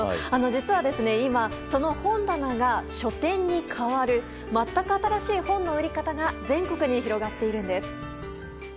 実は今、その本棚が書店に代わる全く新しい本の売り方が全国に広がっているんです。